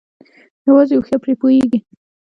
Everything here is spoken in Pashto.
يوازې هوښيار پري پوهيږي